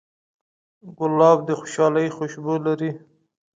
ګلاب د خوشحالۍ خوشبو لري.